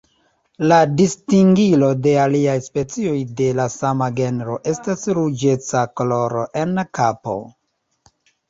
La distingilo de aliaj specioj de la sama genro estas ruĝeca koloro en kapo.